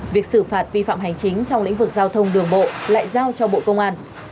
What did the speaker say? việc xử phạt vi phạm hành chính trong lĩnh vực giao thông đường bộ lại giao cho bộ công an